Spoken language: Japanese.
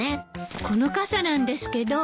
この傘なんですけど。